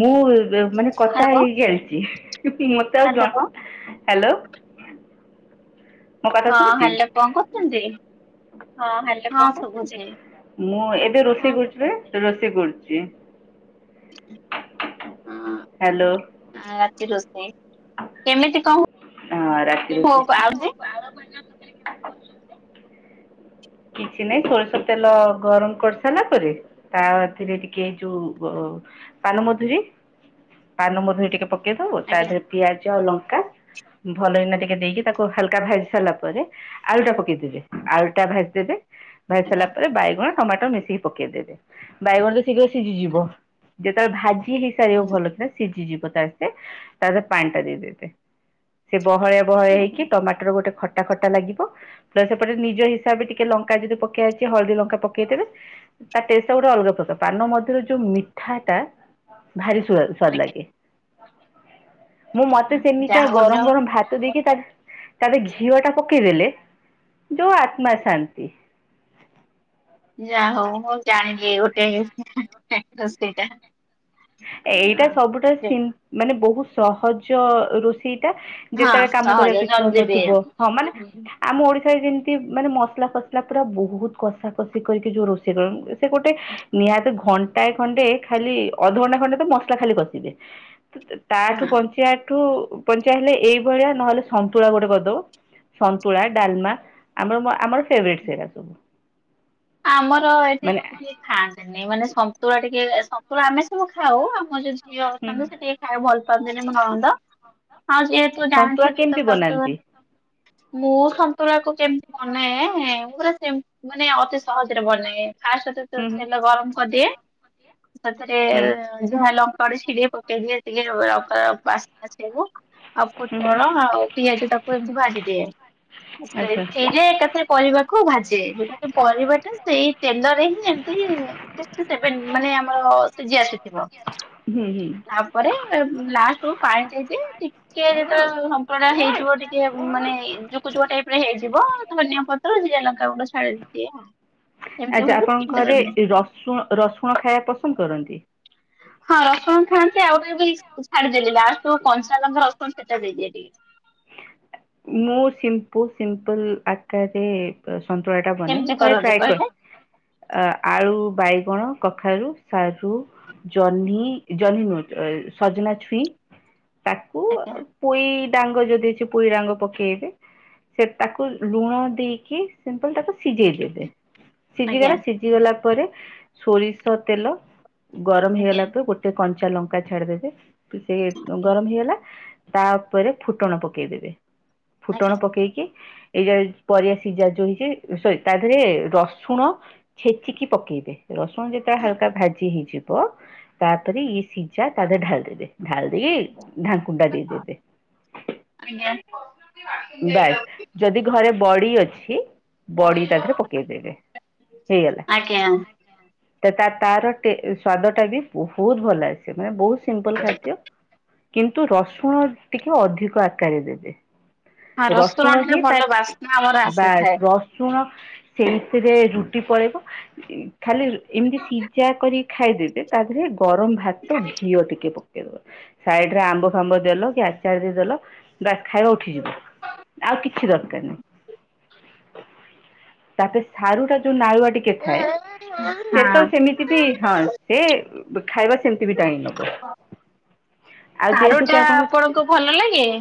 ମୁଁ ମାନେ କଥା ହାଲୋ ହେଇ ଚାଲିଚି। [inaudible] ମୋ କଥା ହଁ ଶୁୁବୁଚି? ହାଲୋ କଣ କରୁଛନ୍ତି? ହଁ ଶୁଭୁଛି ମୁଁ ଏବେ ରୋଷେଇ କରୁଚି ପରା ରୋଷେଇ କରୁଚି। ଅଁ। ହାଲୋ। ଆ- ରାତି ରୋଷେଇ କେମିତି କଣ ହଁ ରାତି ରୋଷେଇ [unintelligible] କିଛି ନାହିଁ ସୋରିଷ ତେଲ ଗରମ୍ କରିସାରିଲା ପରେ ତା ଥିରେ ଟିକେ ଯଉ ବ- ପାନମଧୁରୀ ପାନମଧୁରୀ ଟିକେ ପ ପକେଇଦବୁ ତା ଆଜ୍ଞା ଦେହରେ ପିଆଜ ଆଉ ଲଙ୍କା ଭଲ କିନା ଟିକେ ଦେଇକି ତାକୁ ହାଲକା ଭାଜି ସାରିଲା ପରେ ଆଳୁଟା ପକେଇଦବେ ଆଳୁଟା ଭାଜି ଦେବେ ଭାଜି ସାରିଲା ଆଜ୍ଞା ପରେ ବାଇଗଣ ଟମାଟର୍ ମିଶିକି ପକେଇଦେବେ ବାଇଗଣରେ ଶୀଘ୍ର ସିଝିଯିବ ଯେତେବେଳେ ଭାଜି ହେଇସା [unintelligible] ହୁଁ ଭଲ ସେ ସିଜି ଯିବ ତାଥେରେ ତାପରେ ପାଣି ଟା ଦେଇଦେବେ। ସେ ବହଳିଆ ବହଳିଆ ହେଇକି ଟମାଟର୍ ଗୋଟେ ଖଟା ଖଟା ଲାଗିବ ପ୍ଲସ୍ ସେପଟେ ନିଜ ହିସାବରେ ଟି କେ ଲଙ୍କା ଯଦି ପକେଇ ଆସିଚି ହଳଦୀ ଲଙ୍କା ପକେଇଦେବେ ତା ଟେଷ୍ଟ ଟା ଗୋଟେ ଅଲଗା ପ୍ରକାର ପାନ ମଧୁରିରେ ଯଉ ମିଠା ଟା ଭାରି ସୁଅ-ସ୍ୱାଦ ଆଜ୍ଞା ଆଜ୍ଞା। ଲାଗେ। ମୁଁ ମତେ ସେମିତି ଯାହା ଆଉ ହଉ ନ ଗରମ୍ ଗରମ୍ ଭାତ ଦେଇକି ତା ତା ଦେ ଘିଅ ଟା ପକେଇଦଲେ ଯଉ ଆତ୍ମା ଶାନ୍ତ୍ ଯା ହଉ ମୁଁ ଜାଣିଲି ଗୋଟେ ରୋଷେଇଟା। ଏଇଟା ସବୁ ଠାରୁ ହଁ ସିମ୍ପ୍- ମାନେ ବହୁତ୍ ସହଜ ରୋଷେଇଟା। ହଁ ଯେତେବେଳେ କାମ ସହଜ କରିବାକୁ ଇଚ୍ଛା ଜଲଦି ବି ହଉନଥିବ ହଁ ମାନେ ଆମ ଓଡିଶାରେ ଯେମିତି ମାନେ ମସଲା ଫସଲା ପୁରା ବହୁତ୍ କଷା କଷି କରିକି ଯଉ ରୋଷେଇ କର ସେ ଗୋଟେ ନିହାତି ଘଣ୍ଟାଏ ଖଣ୍ଟେ ଖାଲି ଅଧଘଣ୍ଟା ଖଣ୍ଡେ ତ ମସଲା ଖାଲି କଷିବେ ତ-ତାଠୁ ହଁ ବଞ୍ଚିିବା ଠୁ ବଞ୍ଚେଇ ହେଲେ ଏଇ ଭଳିଆ ନହେଲେ ସନ୍ତୁଳା ଗୋଟେ କରିଦବ। ସନ୍ତୁଳା, ଡାଲ୍ମା ଆମର- ଆମର ଫେଭରଟ୍ ସେରା ସବୁ। ଆମର ମାନେ ଏଠି ଖାଆନ୍ତିନି ମାନେ ସନ୍ତୁଳା ଟିକେ ସନ୍ତୁଳା ଆମେ ସବୁ ଖାଉ ଆମ ଯଉ ଝିଅ ହୁଁ ଅଛନ୍ତି ସେ ଟି ଖାଇବାକୁ ଭଲ ପାଆନ୍ତିନି ମୋ ନଣନ୍ଦ ଆଉ ଯେହେତୁ ସନ୍ତୁଳା ଜାଣିଥିବେ କେମିତି ତ ଶାଶୁ ବନାନ୍ତି ଘରେ ମୁଁ ସନ୍ତୁଳାକୁ କେମିତି ବନାଏ [unintelligible] ମାନେ [unintelligible] ସହଜରେ ବନାଏ ଫାଷ୍ଟ ତ ତ ହୁଁ ହୁଁ ତେଲ ଗରମ କରିଦିଏ, ସେଥିରେ ହୁଁ ଝୁଆଁ ଲଙ୍କା ଗୋଟେ ଛିଡେଇ ପକେଇ ଦିଏ ଟିକେ ବାସ୍ନା ଥିବ। ଆଉ ହୁଁ ହୁଁ ପୋଟଳ ଆଉ ପିଆଜ ତାକୁ ଏମିତି ଭାଜିଦିଏ [inaudible] ଆଚ୍ଛା। ହେଇଯାଏ, ଏକଥରେ ପରିବାକୁ ଭାଜେ, ଯୋଉଟା କି ପରିବା ଟା ସେଇ ତେଲରେ ହିଁ ଏମତି ହି ସିକ୍ସଟି ସବେନ୍ ମାନେ ଆମର ସିଝି ଆସିଥିବ। ହୁଁ, ହୁଁ। ତାପରେ ଉଁ, ଲାଷ୍ଟ କୁ ପାଣି ଦିଆଯାଏ, ଟି କେ ଯେତେବେଳେ ସମ୍ପ୍ରଦାୟ ହେଇଯିବ ଟିକେ ଉଁ, ମାନେ ଯୁକୁ ଯୁଆ ଟାଇପ୍ ରେ ହେଇଯିବ ଧନିଆ ପ ତାପରେ ଜିରା ଲଙ୍କା ଗୁଣ୍ଡ ଛାଡିଦିଏ। ଆଚ୍ଛା, ଆପଣଙ୍କ ଘରେ ଏ ରସୁଣ ରସୁଣ ଖାଇବା ପସନ୍ଦ କରନ୍ତି? ହଁ ରସୁଣ ଖାଆନ୍ତି, ଆଉ ଟିକେ ବି ଛାଡିଦେଲି ଲାଷ୍ଟ କୁ କଞ୍ଚାଲଙ୍କା ରସୁଣ ଛେଚା ଦେଇଦିଏ ଟିକେ। ମୁଁ ସିମ୍ପୁ ସିମ୍ପଲ ଆକାରରେ ତ ସନ୍ତଳା ଟା ବନାଏ, କେମିତି ଥରେ କରନ୍ତି ଟ୍ରାଏ କର। କହିଲେ? ଅ, ଆଳୁ, ବାଇଗଣ, କଖାରୁ, ସାରୁ ଜହ୍ନି ଜହ୍ନି ନୁହଁ, ଏ ସଜନାଛୁଇଁ ତାକୁ ଆଜ୍ଞା ପୁଇ ଡାଙ୍ଗ ଯଦି ଥି ପୁଇ ଡାଙ୍ଗ ପକେଇବେ, ସେ ତାକୁ ଲୁଣ ଦେଇକି ସିମ୍ପୁଲ୍ ତାକୁ ସିଜେଇ ଦେବେ। ସିଜି ଆଜ୍ଞା ଗଲା, ସିଜି ଗଲା ପରେ ସୋରିଷ ତେଲ ଗରମ ଆଜ୍ଞା ହେଇଗଲା ତ ଗୋଟେ କଞ୍ଚା ଲଙ୍କା ଛାଡିଦେବେ ତ ସେ ଅଁ, ଗରମ ହେଇଗଲା। ତା ଉପରେ ଫୁଟଣ ପକେଇଦେବେ, ଆଜ୍ଞା ଫୁଟଣ ପକେଇକି ଏଇ ଯା ପରିବା ସିଜା ଯୋ ହେଇଛି ସରି ତା ଦେହରେ ରସୁଣ ଛେଚିକି ପକେଇବେ। ରସୁଣ ଯେତେବେଳେ ହାଲକା ଭାଜି ହେଇଯିବ ତାପରେ ଇଏ ସିଜା ତା ଦେହରେ ଢାଳି ଦେବେ, ଢାଳି ଦେଇକି ଆଉ କଣ ଢାକୁଣି ଟା ଦେଇ ଦେବେ। ବାସ୍ ଆଜ୍ଞା। ଯଦି ଘରେ ବଡି ଅଛି। ବଡି ତା ଦେହରେ ପକେଇ ଦେବେ ହେଇଗଲା। ଆଜ୍ଞା ତ ତା ତାର ଟେ-ସ୍ଵାଦ ଟା ବି ବହୁତ ଭଲ ଆସେ। ମାନେ ବହୁତ ସିମ୍ପଲ ଖାଦ୍ୟ। କିନ୍ତୁ ରସୁଣ ଟିକେ ଅଧିକ ଆକାରରେ ଦେବେ। ହଁ ରସୁଣ ଠାରୁ ହିଁ ତା ଭଲ ବାସ୍ନା ଆମର ବାସ୍ ଆସିଥାଏ। ରସ ସୁଣ ସେ ଭିତରେ ରୁଟି ପଳେଇବ। ଏ ଖାଲି ଏମିତି ସିଜା କରି ଖାଇଦେବେ ତା ଦେହରେ ଗରମ ଭା ଭାତ ଘିଅ ଟିକେ ପ କେଇଦବ। ସାଇଡ଼ ରେ ଆମ୍ବ ଫାମ୍ବ ଦେଲ କି ଆଚାର ଦେଇ ଦେଲ ବାସ୍ ଖାଇବା ଉଠିଯିବ। ଆଉ କିଛି ଦରକାର ନାହିଁ। ତାପରେ ସାରୁ ଟା ଯୋଉ ନାଳୁଆ ଟିକ କେ ଥାଏ, ହଁ ସେଟା ତ ସେମିତି ବି ହଁ ସେ ଉ, ବ-ଖାଇବା ସେମ ସେ ବି ଟାଣି ନବ, ଆଉ ସାରୁ ଯେହେତୁ କି ଟା ଆପଣଙ୍କୁ ଆପଣଙ୍କ ଭଲ ଲାଗେ?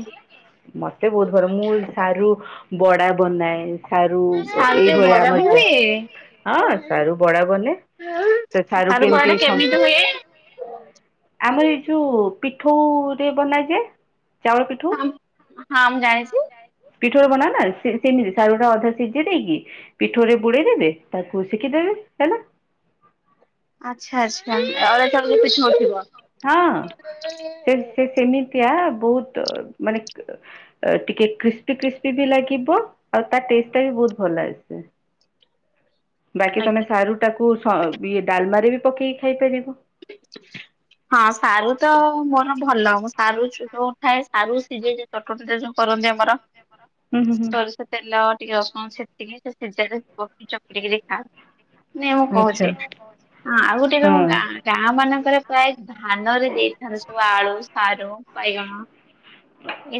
ସେ ବହୁତ ଭଲ, ମୁଁ ସାରୁ ବଡା ବନାଏ। ସାରୁ ଅ, ସାରୁରେ ଏଇଭଳିଆ ବରା ବି ଆମର ଯାଏ। ହୁଏ? ହଁ ସାରୁ ବଡ଼ା ବନଏ। ତ ସାରୁ କୁ ଏମତି ବରାଟା କେମିତି ସନ୍ତ ହୁଏ? ଆମର ଏଇ ଯୋଉ ପିଠୋଉ ରେ ବନାଯାଏ ଚାଉଳ ପିଠଉ। ହଁ ହଁ ମୁଁ ଜାଣିଛି। ପିଠୋଉ ରେ ବନାଅ ନା। ସେ-ସେମିତି ସାରୁ ଟା ଅଧା ସିଜେଇ ଦେଇକି ପିଠୋଉ ରେ ବୁଡ଼େଇ ଦେବେ ତାକୁ ଶେକି ଦେବେ ହେଲା। ଆଚ୍ଛା, ଆଚ୍ଛା ଏ ଅରୁଆ ଚାଉଳ ଯୋଉ ପିଠୋଉ ଥିବ। ହଁ ସେ ସେ ସେମିତିଆ ବହୁତ ମାନେ ଅ, ଟିକେ କ୍ରିସ୍ପି କ୍ରିସ୍ପି ବି ଲାଗିବ, ଆଉ ତା ଟେଷ୍ଟ ଟା ବି ବହୁତ ଭଲ ଆସେ। ବାକି ତୋମେ ଆଜ୍ଞା ସାରୁ ଟାକୁ ସ-ଇଏ ଡାଲମାରେ ବି ପକେଇ ଖାଇପାରିବ। [inaudible] ହଁ ସାରୁ ତ ମୋର ଭଲ, ମୁଁ ସାରୁ ଚୁଭଉ ଥାଏ, ସାରୁ ସିଜେଇ ଦେ [unintelligible] ଯୋଉ କରନ୍ତି ଆମର। ହୁଁ ହୁଁ ହୁଁ ସୋରିଷ ତେଲ ଟିକେ ରସୁଣ ଛେଚିକି ସେ ସିଜା ରେ ପକେଇକି ଚକଟିକିରି ଖାଅନ୍ତି। ନାଇଁ ମୁଁ ଆଚ୍ଛା କହୁଛି, ହଁ ଆଉ ଗୋଟେ [unintelligible] ହଁ ଗାଁ ଗାଁ ମାନଙ୍କରେ ପ୍ରାୟ ଧାନରେ ଦେଇଥାନ୍ତି ସବୁ ଆଳୁ, ସାରୁ ବାଇଗଣ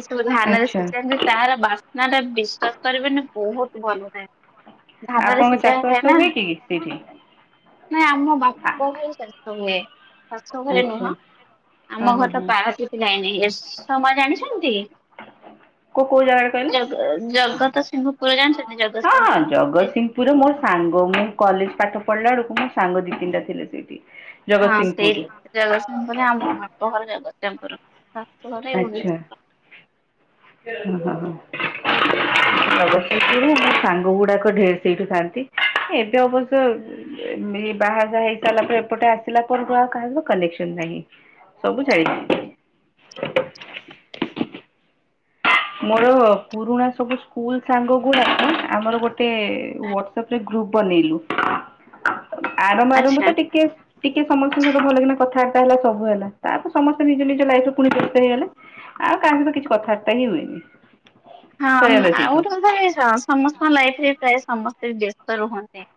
ଏ ସବୁ ଧାଁନରେ ଆଚ୍ଛା। ସିଝାନ୍ତି ତାର ବାସ୍ନା ଟା ବିଶ୍ଵାସ କରିବେନି ବହୁତ୍ ଭଲ ଥାଏ। ଧାନରେ ଆପଣଙ୍କ ସିଝା ଚାଷ ହେଇଥାଏ ବାସ ନା, ହୁଏ କି ସେଇଠି? ନାଇଁ ଆମ ଆ ବାପ ଘରେ ଶେଷ ହୁଏ। ଶାଶୁ ଘରେ ଆଚ୍ଛା ନୁହଁ, ହଁ ଆମ ହଁ ଘର ଟା ହଁ ପାରାଦୀପ ଲାଇନ୍ ଏରସମା ଜାଣି ଛନ୍ତି କୋଉ କୋଉ ଜାଗାରେ କହିଲେ? ଜଗ ଜଗତସିିଂହପୁର ଜାଣିଛନ୍ତି? ହଁ-ହଁ ଜଗତସିଂହପୁର? ଯେ ଜଗତସିଂ ପୁର ମୋ ସାଙ୍ଗ, ମୁଁ କଲେଜ୍ ପାଠ ପଢିଲା ବେଳକୁ ମୋ ସାଙ୍ଗ ଦି ତିନିଟା ଥିଲେ ସେଇଟି। ହଁ ସେଇ ଜଗତସିଂପୁରରେ ଆମ ବାପଘର ଜଗତସିଂହପୁର, ଶାଶୁଘର ଏଇ [unintelligible] ହଁ-ହଁ-ହଁ। ଜଗତସିଂହପୁରରେ ମୋ ସାଙ୍ଗ ଗୁଡାକ ଢେର ସେଇଠୁ ଥାନ୍ତି, ଏବେ ଅବଶ୍ୟ ଏଇ ବାହା ସାହା ହେଇସାରିଲା ପରେ ଏପଟେ ଆସିଲା ପରଠୁ ଆଉ କାହା ସହ କନେକ୍ସନ୍ ନାହିଁ। ସବୁ [unintelligible] ହ ମୋର ପୁରୁଣା ସବୁ ସ୍କୁଲ୍ ସାଙ୍ଗ ଗୁଡାକ ଆମର ଗୋ ଟେ ୱଟ୍ସପ୍ ରେ ଗ୍ରୁପ୍ ବନେଇଲୁ। ଆରମ୍ଭ-ଆରମ୍ଭ ଆଚ୍ଛା। ତ ଟିକେ ଟିକେ ସମସ୍ତଙ୍କ ସହିତ ଭଲକିନା କଥାବାର୍ତ୍ତା ହେଲା ସବୁ ହେଲା, ତାପରେ ସମସ୍ତେ ନିଜ-ନିଜ ଲାଇଫ୍ ରେ ପୁଣି ବ୍ୟସ୍ତ ହେଇଗଲେ। ଆଉ କାହା ସହିତ କିଛି କଥାବାର୍ତ୍ତା ହି ହୁଏନି। ହଁ ସରିଗଲା ଆଉ ସେଇଠୁ। ଗୋଟେ କଥା ଏ ସ ସମସ୍ତଙ୍କ ଲାଇଫରେ ପ୍ରାୟ ସମସ୍ତେ ବ୍ୟସ୍ତ ରୁହନ୍ତି।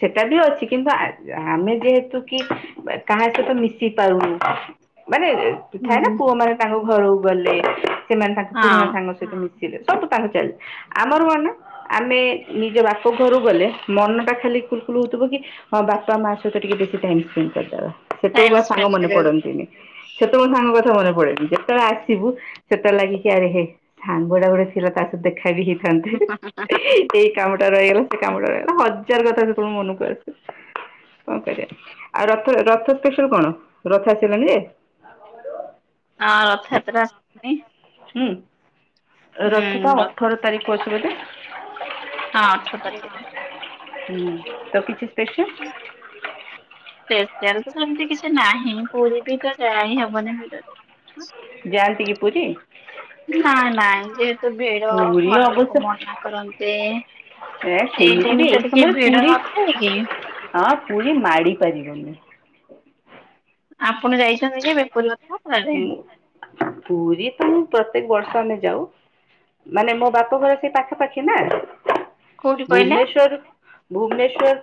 ସେଟା ବି ଅଛି କିନ୍ତୁ ଆ ଆମେ ଯେହେତୁ କି କାହା ସହିତ ମିଶି ପାରୁନୁ, ମାନେ ହୁଁ ଥାଏ ନା ପୁଅ ମାନେ ତାଙ୍କ ଘରକୁ ଗଲେ ସେମାନେ ତାଙ୍କ ହଁ ପୁରୁଣା ସାଙ୍ଗ ମିଶିବେ ସବୁ [unintelligible] ଆମର ମାନେ ଆମେ ନିଜ ବାପ ଘରକୁ ଗଲେ ମନଟା ଖାଲି କୁଲକୁଲ ହଉଥିବ କି ହଁ ବାପା ମା ସହିତ ଟିକେ ବେଶୀ ଟାଇମ୍ ସ୍ପେଣ୍ଡ କରିଦବା। ଟାଇମ ସେତବଳକୁ ଆଉ ସାଙ୍ଗ ସ୍ପେଣ୍ଡ ମନେ କରିବାକୁ ପଡନ୍ତିନି। ସେତବଳେ ସାଙ୍ଗ କଥା ମନେ ପଡେନି, ଯେତବଳେ ଆସିବୁ ସେତବଳେ ଲାଗେ କି ଆରେ ହେଇ ସାଙ୍ଗ ଟା ଗୋଟେ ଥିଲା ତା ସହ ଦେଖା ବି ହେଇ ଏଇ କାମଟା ରହିଗଲା ସେ କାମଟା ରହିଗଲା [unintelligible] ହଜାରେ କଥା ସେତବଳେ ମନକୁ ଆସେ। କଣ କରିବା, ଆଉ ରଥ-ରଥ ସ୍ପେଶାଲ୍ କଣ ରଥ ଆସିଲେଣିି ଯେ? ହଁ ରଥଯାତ୍ରା [unintelligible] ହୁଁ, ହୁଁ ରଥ ପା ହଁ ଅଠର ତାରିଖ ପଡୁଚି ବୋଧେ? ହଁ ଅଠର ତାରିକେରେ। ହୁଁ ତ କିଛି ସ୍ପେସାଲ୍? ସ୍ପେସାଲ୍ ତ ସେମ୍ତି କିଛି ନାହିଁ, ପୁରୀ ବି ତ ଯାଇ ହିଁ ହବନି ଭିଡ଼ରେ। ଯାଆନ୍ତି କି ପୁରୀ? ନାଇଁ-ନାଇଁ ଯେହେତୁ ଭିଡ ପୁରୀ ଘର ଅବଶ୍ୟ ଲୋକ ମନା କରନ୍ତି। ଏ ଏଇ ସେମିତି ଟାଇମ୍ ବି ଟା ଟିକେ ସମୟରେ ଭିଡ଼ ପୁରୀ ନଥାଏ କି? ହଁ ପୁରୀ ମାଡ଼ି ପାରିବନି। ଆପଣ ଯାଇଚନ୍ତି କେବେ [unintelligible] ହୁଁ ପୁରୀ ତ ପ୍ରତ୍ୟେକ୍ ବର୍ଷ ଆମେ ଯାଉ। ମାନେ ମୋ ବାପ ଘର ସେଇ ପାଖାପାଖି ନା। କୋଉଠି କହିଲେ? ଭୁବନେଶ୍ୱର-ଭୁବନେଶ୍ଵର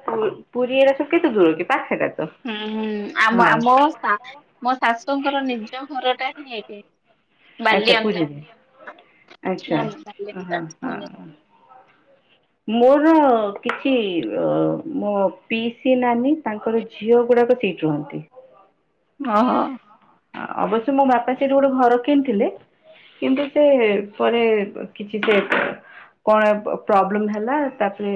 ପୁରୀ [unintelligible] କେତେ ଦୂର କି, ପାଖେରେ। ହୁଁ-ହୁଁ ଆମ ଆ ମୋ ଶାଶୁଙ୍କର ନିଜ ଘର ଟା ହିଁ ଏଇଟି। ଆଚ୍ଛା ପୁରୀରେ ବାଲିଅନ୍ତା ଆଚ୍ଛା ହଁ ହଁ। [unintelligible] ମୋର କିଛି ମୋ ପିଇସି ନାନୀ ତାଙ୍କର ଝିଅ ଗୁଡାକ ଠିକ୍ ରୁହନ୍ତି। ଓ ହୋ। ଅ ଅବଶ୍ୟ ମୋ ବାପା ସେଇଠି ଗୋଟେ ଘର କିଣିଥିଲେ। କିନ୍ତୁ ସେ ପରେ କିଛି ସେ କଣ ଏ ପ୍ରୋବ୍ଲେମ ହେଲା ତାପରେ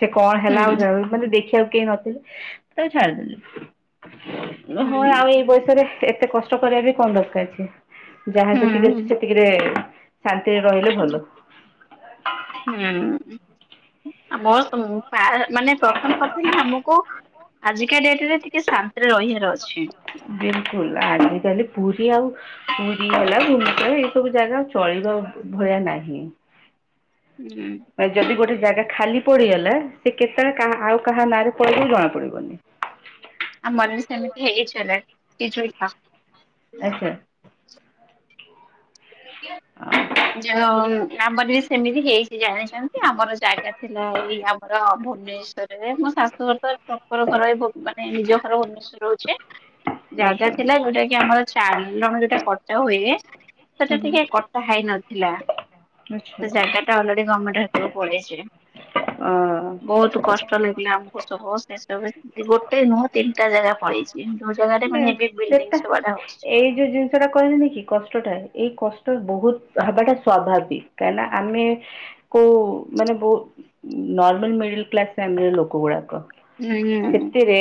ସେ କଣ ହେଲା ଆଉ ହୁଁ ଜ ମାନେ ଦେଖିବାକୁ କେହି ନଥିଲେ ତାକୁ ଛାଡିଦେଲେ। ହଁ ହୁଁ ଆଉ ଏଇ ବୟସରେ ଏତେ କଷ୍ଟ କରିବା ବି କଣ ଦରକାର ଅଛି। ଯାହା ସେତିକି ଅଛି ହୁଁ ସେତିକିରେ ଶାନ୍ତିରେ ରହିଲେ ଭଲ। ହୁଁ ଆ ମୋର୍ ଅ ପା ମାନେ ପ୍ରଥମ କଥା ହେଲା ଆମକୁ ଆଜିକା ଡେଟରେ ଟିକେ ଶାନ୍ତିରେ ରହିବାର ଅଛି। ବିଲକୁଲ ଆଜି କାଲି ପୁରୀ ଆଉ ପୁରୀ ହେଲା ଭୁବନେଶ୍ବର ଏଇ ସବୁ ଜାଗା ଚଳିବା ଭଳିଆ ନାହିଁ। ହୁଁ। ଅ ଯଦି ଗୋଟେ ଜାଗା ଖାଲି ପଡିଗଲା ସେ କେତେବେଳେ କାହା ଆଉ କାହା ନାଁରେ ପଳେଇବ ଜଣା ପଡିବନି। ଆମଆଡ଼େ ସେମିତି ହେଇ [unintelligible] ଆଚ୍ଛା। ଯ ଆଉ ଆମର ବି ସେମିତି ହେଇଛି। କି ଜାଣିଛନ୍ତି ଆମର ଜାଗା ଥିଲା ଏଇ ଆମର ଭୁବନେଶ୍ଵରରେ ମୋ ଶାଶୁଘର ତ ର ଘର ଏଇ ଭୂ ମାନେ ନିଜ ଘର ଭୁବନେଶ୍ଵର ଅଚ୍ଛି ଜାଗା ଆଚ୍ଛା ଥିଲା ଯୋଉଟା କି ଆମର ଚାରି ନମ୍ୱର୍ ଯୋଉଟା କଟା ହୁଏ ସେଟା ହୁଁ ହୁଁ ଟିକେ କଟା ହେଇନଥିଲା ଆଚ୍ଛା ସେ ଜାଗା ସେଟା ଅଲରେଡି ଗମେଣ୍ଟକୁ ପଳେଇଚି ବହୁତ କଷ୍ଟ [unintelligible] ଗୋଟେ ନୁହଁ ତିନିଟା ଜାଗା ପଳେଇଛି। ଇଣ୍ଡୋର ଜାଗାରେ ମାନେ ଏବେ ସେଟା ବିଲ୍ଡିଙ୍ଗ ସବୁ ଆଡ଼େ ହୋଉଛି। ଏଇ ଯୋ ଜିନି ସେଟା କହିଲେନି କି କଷ୍ଟଟା ଏଇ କଷ୍ଟ ବହୁତ ହବାଟା ସ୍ଵାଭାବିକ କାଁଇନା ଆମେ କୋଉ ମାନେ ବ ନର୍ମାଲ ମିଡଲ କ୍ଲାସ୍ ଫାମିଲ ଲୋକ ଗୁଡାକ। ହୁଁ ସେତିରେ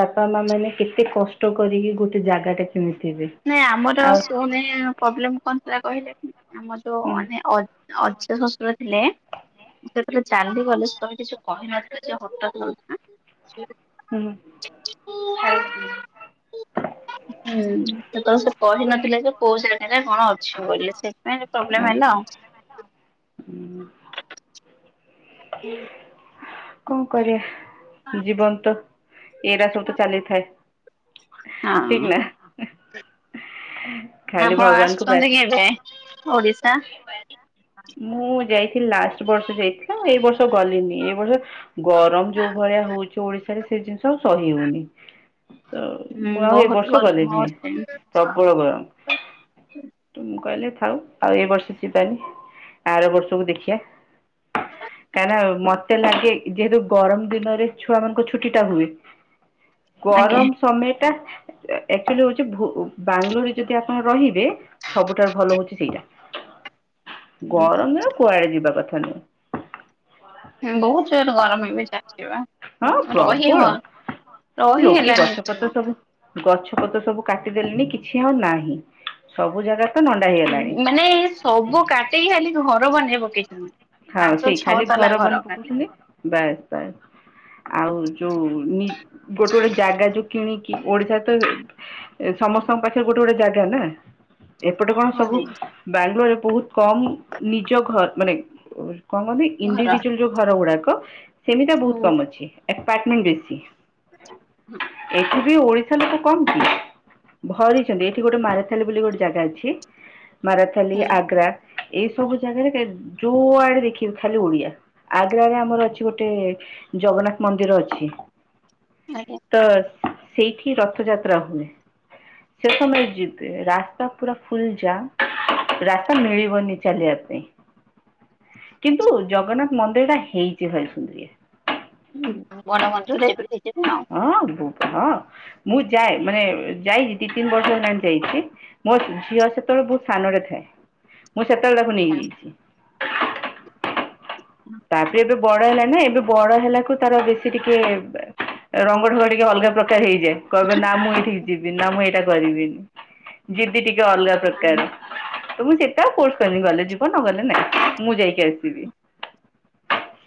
ବାପା ମା ମାନେ କେତେ କଷ୍ଟ କରିକି ଗୋଟେ ଜାଗା ଟା କିଣିଥିବେ। ନାଇଁ ଆମର ଆଉ ସୋ ନେ ପ୍ରୋବ୍ଲେମ କଣଥିଲା କହିଲେ ଆମର ଯୋଉ ହୁଁ ମାନେ ଅ ଅଜା ଶ୍ୱଶୁର ଥିଲେ। ସେ ସେତବେଳେ ଚାଲି ଗଲେ ସେ ଆଉ କିଛି କହିନଥିଲ ଯେ [unintelligible] ହୁଁ ହୁଁ। ହୁଁ ସେତେବେଳ ସେ କ କହିନଥିଲେ ଯେ କୋଉ ଜାଗାରେ କଣ ଅଛି ବୋଲି ସେଥିପାଇଁ ଟିକେ ପ୍ରୋବ୍ଲେମ ଆଚ୍ଛା। ହେଲା ଆଉ। ହୁଁ। ହୁଁ। କଣ କରିବା ଜୀବନ ତ ଏଇରାା ସବୁ ତ ଚାଲିଥାଏ। ହଁ ଠିକ ନା। ଖାଲି ଆପଣ ଭଗବାନଙ୍କୁ ଆସୁଛନ୍ତି ପ୍ରାର୍ଥନା କେବେ ଓଡିଶା। ମୁଁ ଯାଇଥିଲି ଲାଷ୍ଟ ବର୍ଷ ଯାଇଥିଲା ଏଇ ବର୍ଷ ଗଲିନି ଏଇ ବର୍ଷ ଗରମ ଯୋଉ ଭଳିଆ ହଉଚି ଓଡିଶାରେ ସେ ଜିନିଷ ସ ସହି ହଉନି ତ ହୁଁ ମୁଁ ଆଉ ଏ ବହୁତ ବର୍ଷ ଗରମ ଗଲିନି। ହଉଛି ପ୍ରବଳ ଗରମ୍ ତ ମୁଁ କହିଲି ଥାଉ ଆଉ ଏ ବର୍ଷ ଯିବାନି। ଆର ବର୍ଷକୁ ଦେଖିଆ। କାହିଁ ନା ମତେ ଲାଗେ ଯେହେତୁ ଗରମ ଦିନରେ ଛୁଆ ମାନଙ୍କ ଛୁଟି ଟା ହୁଏ। ଆଜ୍ଞା। ଗରମ ସମୟେ ଟା ଆକ୍ଚୁଆଲି ହଉଛି ଭୁ ବାଙ୍ଗାଲୋରରେ ଯଦି ଆପଣ ରହିବେ ସବୁଠାରୁ ଭଲ ହଉଚି ସେଇଟା। ଗରମ ରେ କୁଆଡେ ଯିବା କଥା ନୁହଁ। ହୁଁ ବୋହୁତ ଜୋରେ ଗରମ ଏବେ ଚାଲିଚି ବା। ହଁ ରହି ହ ପ୍ରବଳ ରହି ଲୋକେ ହେଲାନି ଗଛପତ୍ର ଏଥରକ। ସବୁ ଗଛ ପତ୍ର ସବୁ କାଟିଦେଲେଣିି କିଛି ଆଉ ନାହିଁ ସବୁ ଜାଗା ତ ନଣ୍ଡା ହେଇଗଲାଣି ମାନେ ସବୁ କାଟିକି ଖାଲି ଘର ବନେଇ ପକେଇଚନ୍ତି। ହଁ ପାଞ୍ଚ ସେଇ ଛଅ ଖାଲି ତାଲା ବନି ଘର ଖାନେ। ପକଉଛନ୍ତି ବାସ୍ ବାସ୍। ଆଉ ଯୋଉ ନି ଗୋଟେ ଗୋଟେ ଜାଗା ଯୋଉ କିଣିକି ଓଡିଶା ତ ସମସ୍ତଙ୍କ ପାଖରେ ଗୋଟେ ଗୋଟେ ଜାଗା ନା ଏପଟେ କଣ ହୁଁ ସବୁ ବାଙ୍ଗଲୋରରେ ବୋହୁତ କମ ନିଜ ଘର ମାନେ କଣ କହନ୍ତି ଘର। ଇଣ୍ଡିଭିଜୁଆଲ ଯୋଉ ଘର ଗୁଡାକ ସେମିତିଆ ବହୁତ ହୁଁ କମ୍ ଅଛିଏପାର୍ଟମେଣ୍ଟ ବେଶୀ। ଏଠିବି ଓଡ଼ିଶ ଶା ଲୋକ କମ୍ କି ଭରିଚନ୍ତି ଏଠି ଗୋଟେ ମାରେଥାଲି ବୋଲି ଗୋଟେ ଜାଗା ଅଛି। ମାରାଥାଲି ଆଗ୍ରା ଏଇସବୁ ଜାଗାରେ କା ଯୋଆଡେ ଦେଖିବୁ ଖାଲି ଓଡିଆ। ଆଗ୍ରାରେ ଆମର ଅଛି ଗୋଟେ ଜଗନ୍ନାଥ ମନ୍ଦିର ଅଛି। ଆଜ୍ଞା। ତ ସେଇଠି ରଥଯାତ୍ରା ହୁଏ ସେ ସମୟରେ ଯିବେ ରାସ୍ତା ପୁରା ଫୁଲ ଜାମ୍ ରାସ୍ତା ମିଳିବନି ଚାଲିବା ପାଇଁ। କିନ୍ତୁ ଜଗନ୍ନାଥ ମନ୍ଦିର ଟା ହେଇଚି ଭାରି ସୁନ୍ଦ୍ରିଆ। [unintelligible] ହଁ ବୋ ହଁ ମୁଁ ଯାଏ ମାନେ ଯାଇଚି ଦି ତିନି ବର୍ଷ ହେଲାଣି ଯାଇଚି। ମୋ ଝିଅ ସେତେବେଳେ ବୋହୁତ ସାନ ଟେ ଥାଏ ମୁଁ ସେତେବେଳେ ତାକୁ ନେଇଯାଇଚି। ତାପରେ ଏବେ ବଡ ହେଲାଣି ନା ଏବେ ବଡ ହେଲାକୁ ତାର ବେଶୀ ଟିକେ ରଙ୍ଗ ଢ଼ଙ୍ଗ ଟିକେ ଅଲଗାପ୍ରକ୍ କା ହେଇଯାଏ କହିବ ନା ମୁଁ ଏଇଠିକି ଯିବିନି ନା ମୁଁ ଏଇଟା କରିବିନି ଯିଦି ଟିକେ ଅଲଗା ପ୍ରକାର ତ ମୁଁ ସେଟା ଫୋର୍ସ କରିନି ଗଲେ ଯିବ ନ ଗଲେ ନା ମୁଁ ଯାଇକି ଆସିବି।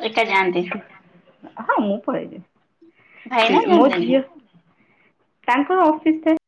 ଏକା ଜାଆନ୍ତି। ହଁ ମୁଁ ପଳେଇଯାଏ ଭାଇନା ସେ ମୋ ଯାଆନ୍ତିନି? ଝିଅ ତାଙ୍କର ଅଫିସ୍ ଥାଏ।